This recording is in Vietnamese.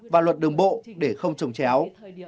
và luật đường bộ để không trồng chéo